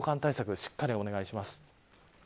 しっかりお願いします。